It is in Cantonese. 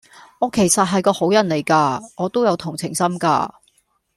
我其實係個好人嚟架，我都有同情心㗎